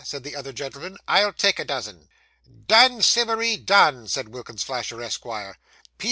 said the other gentleman. 'I'll take a dozen.' 'Done, Simmery, done!' said Wilkins Flasher, Esquire.